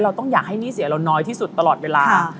ต้องอยากให้หนี้เสียเราน้อยที่สุดตลอดเวลา